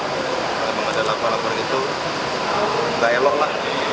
kalau ada laporan laporan itu nggak elok lah